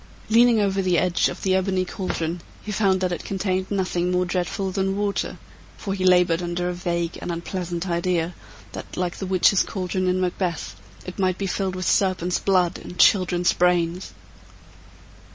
Leaning over the edge of the ebony caldron, he found that it contained nothing more dreadful than water, for he labored under a vague and unpleasant idea that, like the witches' caldron in Macbeth, it might be filled with serpents' blood and childrens' brains.